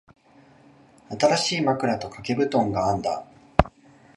新しい枕と掛け布団があんだ。